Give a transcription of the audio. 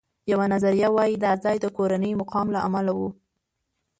یوه نظریه وایي دا ځای د کورني مقام له امله و.